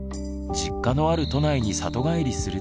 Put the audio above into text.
実家のある都内に里帰りするたび